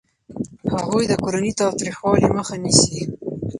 هغوی د کورني تاوتریخوالي مخه نیسي.